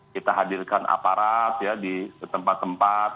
kita hadirkan aparat ya di tempat tempat